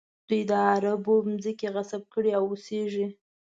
دوی د عربو ځمکې غصب کړي او اوسېږي.